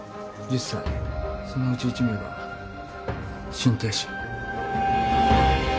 そのうち１名が心停止。